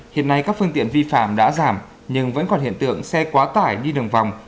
hiện nay các phương tiện vi phạm đã giảm nhưng vẫn còn hiện tượng xe quá tải đi đường vòng